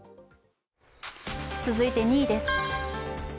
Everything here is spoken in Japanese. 続いて２位です。